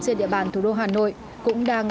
trên địa bàn thủ đô hà nội cũng đang